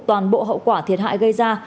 toàn bộ hậu quả thiệt hại gây ra